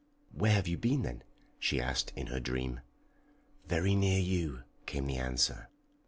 "Where have you been then?" she asked in her dream. "Very near you," came the answer.